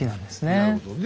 なるほどね。